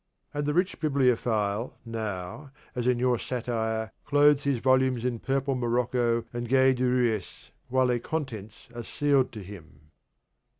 And the rich Bibliophile now, as in your satire, clothes his volumes in purple morocco and gay dorures, while their contents are sealed to him.